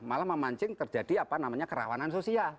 malah memancing terjadi apa namanya kerawanan sosial